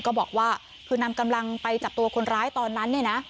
ก็บอกว่าคือนำกำลังไปจับตัวคนร้ายตอนนั้นเนี่ยนะ